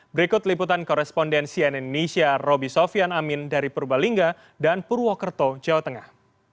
berikut liputan korespondensi nnn nisia roby sofian amin dari purwalinga dan purwokerto jawa tengah